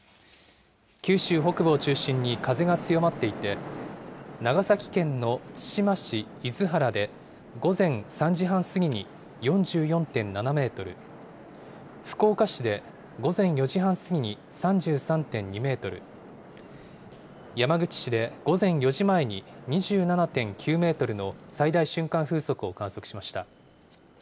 九州北部を中心に風が強まっていて、長崎県の対馬市厳原で午前３時半過ぎに４４．７メートル、福岡市で午前４時半過ぎに３３．２メートル、山口市で午前４時前に２７．９メートルの最大瞬間風速を観測しました。